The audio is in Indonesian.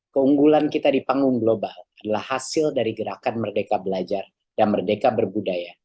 keunggulan kita di panggung global adalah hasil dari gerakan merdeka belajar dan merdeka berbudaya